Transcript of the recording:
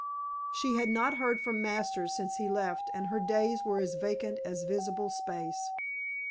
She had not heard from Masters since he left and her days were as vacant as visible space.